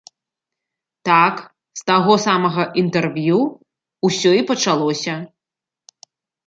Так, з таго самага інтэрв'ю ўсё і пачалося!